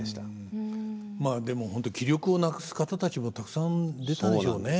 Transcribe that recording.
まあでもホント気力をなくす方たちもたくさん出たでしょうね。